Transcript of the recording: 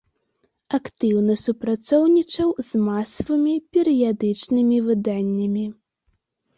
Актыўна супрацоўнічаў з масавымі перыядычнымі выданнямі.